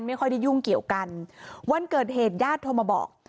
ไม่ค่อยได้ยุ่งเกี่ยวกันวันเกิดเหตุญาติโทรมาบอก